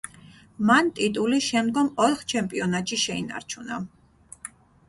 მან ტიტული შემდგომ ოთხ ჩემპიონატში შეინარჩუნა.